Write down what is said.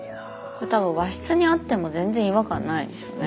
これ多分和室にあっても全然違和感ないでしょうね。